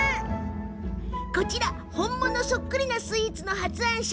こちら、本物そっくりなスイーツの発案者